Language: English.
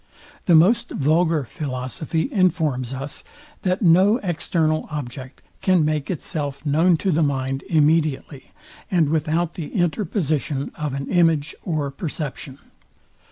The most vulgar philosophy informs us, that no external object can make itself known to the mind immediately, and without the interposition of an image or perception.